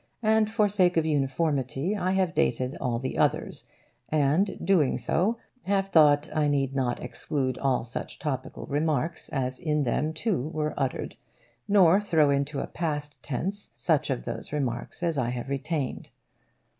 And for sake of uniformity I have dated all the others, and, doing so, have thought I need not exclude all such topical remarks as in them too were uttered, nor throw into a past tense such of those remarks as I have retained.